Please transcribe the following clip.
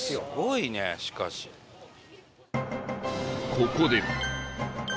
ここで